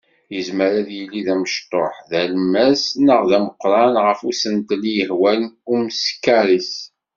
Yezmer ad yili d amecṭuḥ, d alemmas neɣ d ameqqran ɣef usentel i yehwan i umeskar-is.